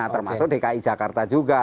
termasuk dki jakarta juga